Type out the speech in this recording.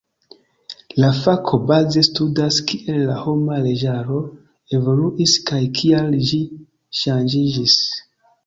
La fako baze studas, kiel la homa leĝaro evoluis kaj kial ĝi ŝanĝiĝis.